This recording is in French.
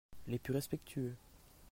Il est plus respectueux.